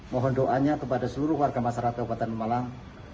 mohon doanya kepada seluruh warga masyarakat kabupaten malang